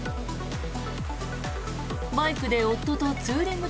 バイクで夫とツーリング